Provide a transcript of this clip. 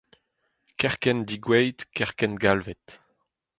kerkent degouzhet, kerkent galvet